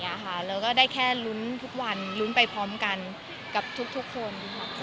เราก็ได้แค่ลุ้นทุกวันลุ้นไปพร้อมกันกับทุกคน